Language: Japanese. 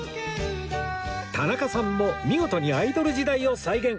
田中さんも見事にアイドル時代を再現！